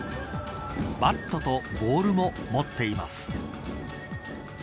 バットとボールも持っています。